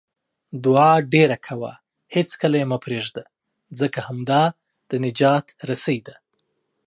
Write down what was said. دعاء ډېره کوه، هیڅکله یې مه پرېږده، ځکه همدا د نجات رسۍ ده